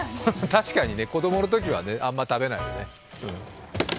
確かにね、子供の頃はあんま食べないよね。